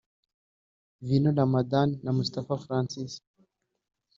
Vino Ramadhan na Mustapha Francis